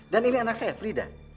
dan ini anak saya frida